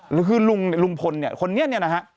หรือคือลุงพลคนนี้นะครับ